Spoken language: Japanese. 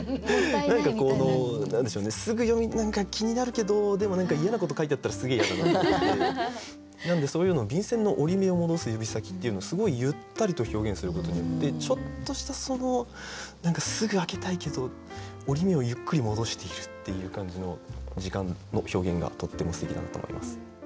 何でしょうねすぐ読み気になるけどでも何か嫌なこと書いてあったらすげえ嫌だなっていうのでなのでそういうのを「便箋の折り目を戻す指先」っていうのですごいゆったりと表現することによってちょっとしたそのすぐ開けたいけど折り目をゆっくり戻しているっていう感じの時間の表現がとってもすてきだなと思います。